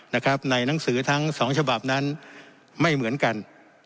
ในหนังสือทั้งสองฉบับนั้นไม่เหมือนกัน